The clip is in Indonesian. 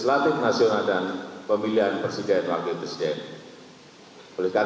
kami ingin meminta ketua umum dpp partai golkar